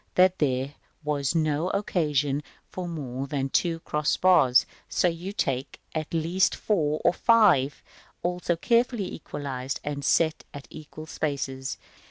that there was no occasion for more than two cross bars; so you take at least four or five (also represented at A, Fig. XLVI.), also carefully equalised, and set at equal spaces.